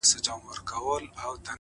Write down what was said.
اې ه سترگو کي کينه را وړم،